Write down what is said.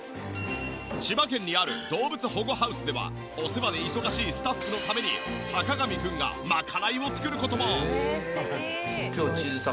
千葉県にある動物保護ハウスではお世話で忙しいスタッフのために坂上くんが賄いを作る事も。